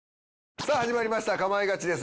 さあ始まりました『かまいガチ』です。